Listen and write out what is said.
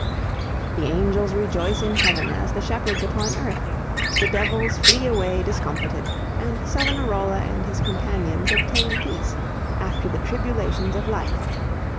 The angels rejoice in heaven as the shepherds upon earth, the devils flee away discomfited, and Savonarola and his companions obtain peace after the tribulations of life.